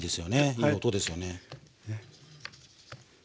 いい音ですよね。